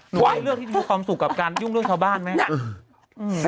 ว่าให้เลือกที่มีความสุขกับการยุ่งเรื่องชาวบ้านไหม